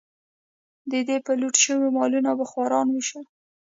دوی به لوټ شوي مالونه په خوارانو ویشل.